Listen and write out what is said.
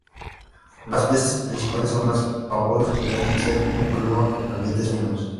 Las pestes principales son las babosas, que pueden ser un problema en ambientes húmedos.